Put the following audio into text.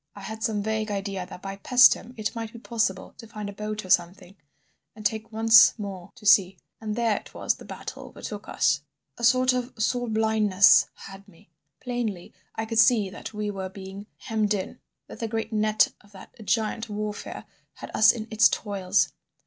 I had some vague idea that by Paestum it might be possible to find a boat or something, and take once more to sea. And there it was the battle overtook us. "A sort of soul blindness had me. Plainly I could see that we were being hemmed in; that the great net of that giant Warfare had us in its toils.